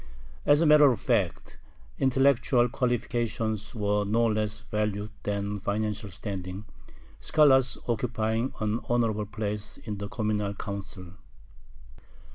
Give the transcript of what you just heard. As a matter of fact, intellectual qualifications were no less valued than financial standing, scholars occupying an honorable place in the communal council.